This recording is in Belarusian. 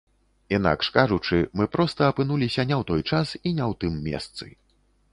Інакш кажучы, мы проста апынуліся не ў той час і не ў тым месцы.